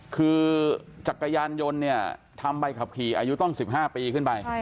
คือจักรยานยนต์เนี่ยทำใบขับขี่อายุต้อง๑๕ปีขึ้นไป